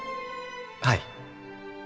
はい。